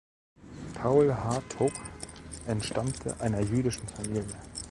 Paul Hartog entstammte einer jüdischen Familie.